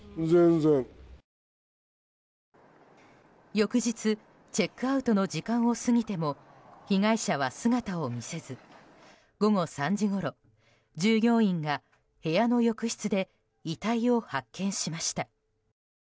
翌日チェックアウトの時間を過ぎても被害者は姿を見せず午後３時ごろ従業員が部屋の浴室で遺体を発見しました。